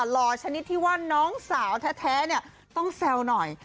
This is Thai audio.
หล่อชนิดที่ว่าน้องสาวแท้ต้องแซวหน่อย